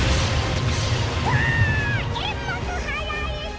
・うわえんまくはられた！